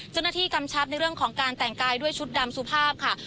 กำชับในเรื่องของการแต่งกายด้วยชุดดำสุภาพค่ะ